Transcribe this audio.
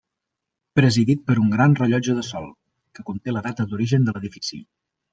Presidit per un gran rellotge de sol, que conté la data d’origen de l’edifici.